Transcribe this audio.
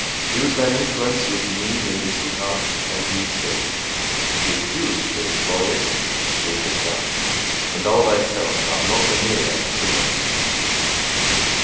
Use thine influence with me in his behalf, and he is safe,—refuse to employ it, Wilfred dies, and thou thyself art not the nearer to freedom."